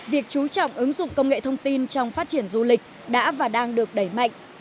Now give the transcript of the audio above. việc chú trọng ứng dụng công nghệ thông tin trong phát triển du lịch đã và đang được đẩy mạnh